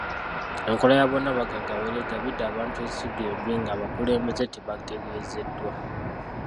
Enkola ya bonna bagaggawale egabidde abantu ensigo embi nga abakulembeze tebategeezeddwa.